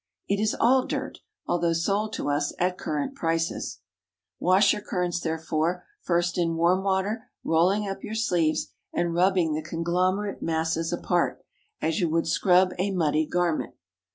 It is all dirt! although sold to us at currant prices. Wash your currants, therefore, first in warm water, rolling up your sleeves, and rubbing the conglomerate masses apart, as you would scrub a muddy garment.